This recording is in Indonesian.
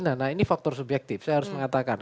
nah ini faktor subjektif saya harus mengatakan